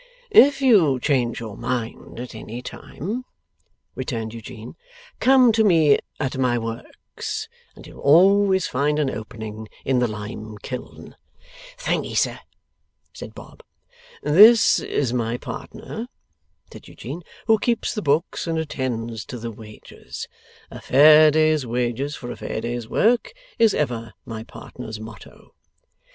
'If you change your mind at any time,' returned Eugene, 'come to me at my works, and you'll always find an opening in the lime kiln.' 'Thankee sir,' said Bob. 'This is my partner,' said Eugene, 'who keeps the books and attends to the wages. A fair day's wages for a fair day's work is ever my partner's motto.